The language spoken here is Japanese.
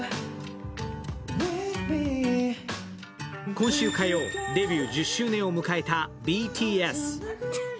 今週火曜、デビュー１０周年を迎えたＢＴＳ。